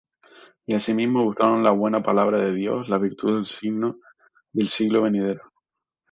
Y asimismo gustaron la buena palabra de Dios, y las virtudes del siglo venidero,